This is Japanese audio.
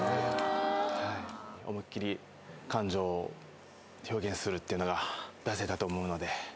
思いっ切り感情を表現するっていうのが出せたと思うので。